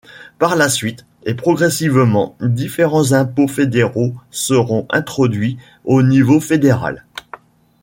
Par la suite et progressivement, différents impôts fédéraux seront introduits au niveau fédéral.